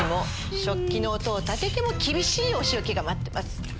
食器の音を立てても厳しいお仕置きが待ってます。